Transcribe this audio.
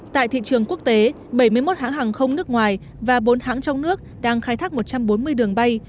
tại thị trường quốc tế bảy mươi một hãng hàng không nước ngoài và bốn hãng trong nước đang khai thác một trăm bốn mươi đường bay